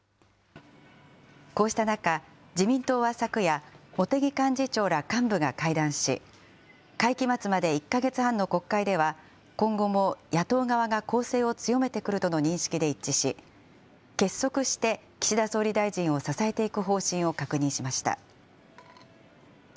こうした中、自民党は昨夜、茂木幹事長ら幹部が会談し、会期末まで１か月半の国会では、今後も野党側が攻勢を強めてくるとの認識で一致し、結束して岸田総理大臣を支えていく方針を確認しました。